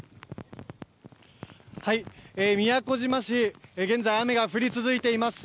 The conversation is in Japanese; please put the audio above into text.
宮古島市現在、雨が降り続いています。